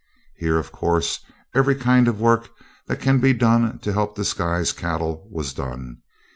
Here, of course, every kind of work that can be done to help disguise cattle was done.